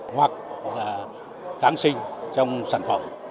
hoặc kháng sinh trong sản phẩm